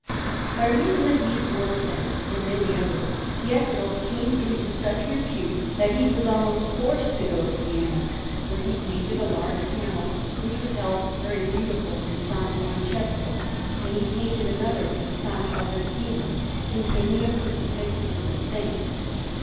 By reason of these works, then, and many others, Pietro came into such repute that he was almost forced to go to Siena, where he painted a large panel, which was held very beautiful, in S. Francesco; and he painted another in S. Agostino, containing a Crucifix with some saints.